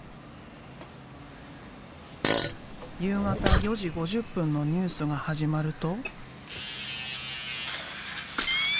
夕方４時５０分のニュースが始まると。